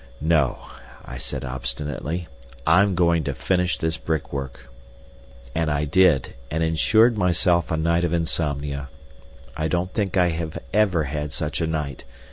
"No," I said obstinately; "I'm going to finish this brickwork." And I did, and insured myself a night of insomnia. I don't think I have ever had such a night.